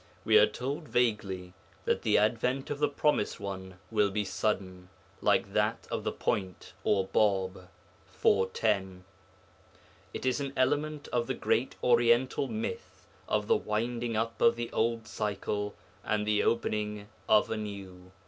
9), we are told vaguely that the Advent of the Promised One will be sudden, like that of the Point or Bāb (iv. 10); it is an element of the great Oriental myth of the winding up of the old cycle and the opening of a new.